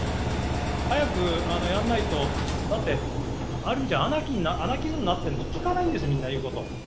早くやんないと、だって、ある意味、アナキズムになっている、聞かないんです、みんな、言うことを。